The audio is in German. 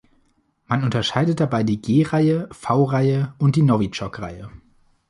Man unterscheidet dabei die G-Reihe, V-Reihe und die Nowitschok-Reihe.